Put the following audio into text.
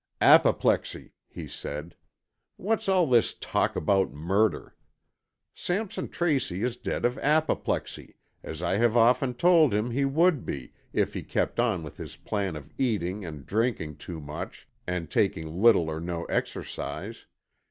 "Apoplexy," he said. "What's all this talk about murder? Sampson Tracy is dead of apoplexy, as I have often told him he would be, if he kept on with his plan of eating and drinking too much and taking little or no exercise.